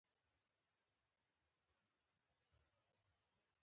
ټولې یې زما ذهن کې وګرځېدلې.